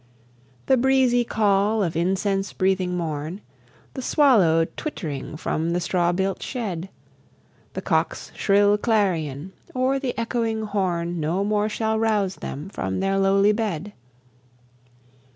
The breezy call of incense breathing morn, The swallow twitt'ring from the straw built shed, The cock's shrill clarion, or the echoing horn, No more shall rouse them from their lowly bed.